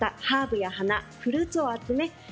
ハーブや花、フルーツを集め